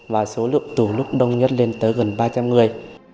và số lượng tù lúc đông nhất lên tới gần ba trăm linh người